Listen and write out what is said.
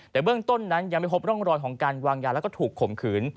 แต่เบื้องต้นนั้นยังไม่พบร่องรอยของการวางยาแล้วก็ถูกข่มขืน